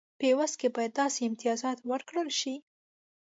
په عوض کې باید داسې امتیازات ورکړل شي.